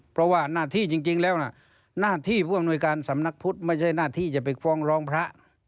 เพราะว่าหน้าที่จริงแล้วหน้าที่ผู้อำนวยการสำนักพุทธไม่ใช่หน้าที่จะไปฟ้องร้องพระ